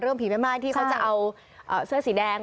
เรื่องผีแม่ม่ายที่เขาจะเอาเสื้อสีแดง